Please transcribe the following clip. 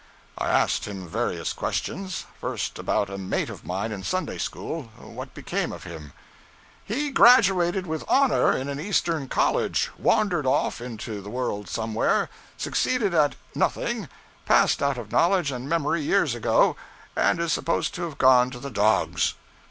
I asked him various questions; first about a mate of mine in Sunday school what became of him? 'He graduated with honor in an Eastern college, wandered off into the world somewhere, succeeded at nothing, passed out of knowledge and memory years ago, and is supposed to have gone to the dogs.'